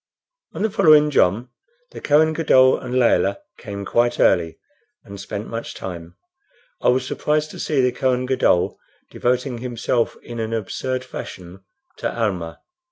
On the following jom the Kohen Gadol and Layelah came quite early and spent much time. I was surprised to see the Kohen Gadol devoting himself in an absurd fashion to Almah.